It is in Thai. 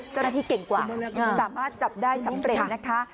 เจ้าหน้าที่เก่งกว่าสามารถจับได้สำเร็จนะคะ